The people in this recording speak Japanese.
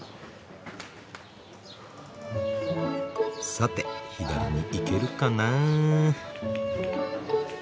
さて左に行けるかな？